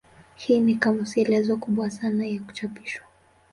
Hii ni kamusi elezo kubwa sana ya kuchapishwa.